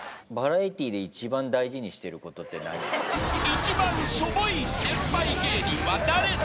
［一番しょぼい先輩芸人は誰だ？］